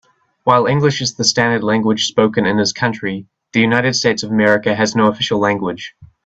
While English is the standard language spoken in his country, the United States of America has no official language.